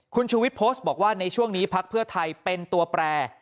คุณชูวิทย์โพสต์บอกว่าในช่วงนี้พักเพื่อไทยเป็นตัวแปร